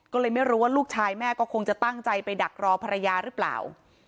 ก็เลยไม่รู้ว่าลูกชายแม่ก็คงจะตั้งใจไปดักรอภรรยาหรือเปล่า